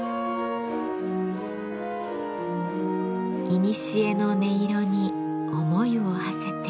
いにしえの音色に思いをはせて。